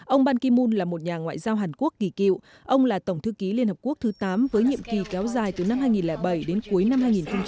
ông ban kim mun là một nhà ngoại giao hàn quốc kỳ cựu ông là tổng thư ký liên hợp quốc thứ tám với nhiệm kỳ kéo dài từ năm hai nghìn bảy đến cuối năm hai nghìn một mươi